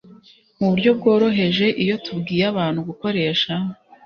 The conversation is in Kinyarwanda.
mu buryo bworoheje. Iyo tubwiye abantu gukoresha